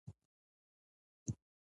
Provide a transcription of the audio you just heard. ښه فکر د ژوند توازن ساتي.